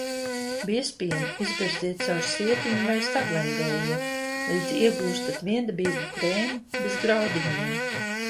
Biezpienu izberziet caur sietiņu vai sablendējiet, līdz iegūstat viendabīgu krēmu bez graudiņiem.